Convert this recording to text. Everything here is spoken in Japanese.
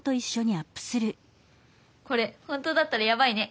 これ本当だったらヤバいね。